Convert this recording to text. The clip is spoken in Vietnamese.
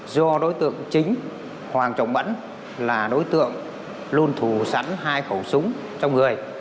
do đối tượng chính hoàng trọng mẫn là đối tượng luôn thù sẵn hai khẩu súng trong người